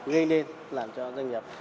gây nên làm cho doanh nghiệp